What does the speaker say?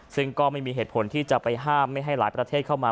ซึ่งก็ไม่มีเหตุผลที่จะไปห้ามไม่ให้หลายประเทศเข้ามา